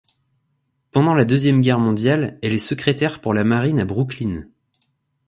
Pendant la Deuxième Guerre mondiale, elle est secrétaire pour la marine à Brooklyn.